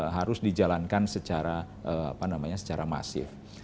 harus dijalankan secara apa namanya secara masif